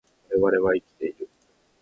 我々は生きている